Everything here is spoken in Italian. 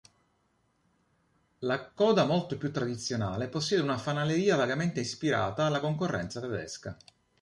La coda molto più tradizionale possiede una fanaleria vagamente ispirata alla concorrenza tedesca.